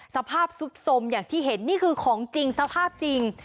สภาพซุดสมอย่างที่เห็นนี่คือของจริงสภาพจริง